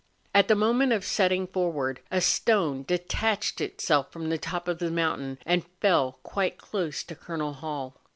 At the moment of setting forward, a stone detached itself from the top of the mountain, and fell quite close to Col. Hall.